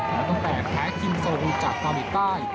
แล้วตั้งแต่แพ้คิมโซกุจากเมืองอีกใต้